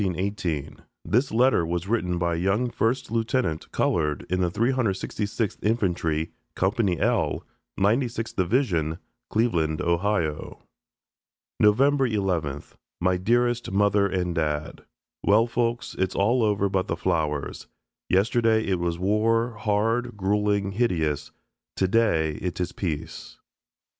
NOVEMBER 11, 1918 (This letter was written by a young first lieutenant (colored) in the 366th Infantry, Company L, 92nd Division, Cleveland, Ohio.) November 11th. My dearest Mother and Dad: Well, folks, it's all over but the flowers. Yesterday it was war, hard, gruelling, hideous. Today it is peace.